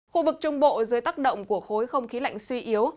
khu vực trung bộ dưới tác động của khối không khí lạnh suy yếu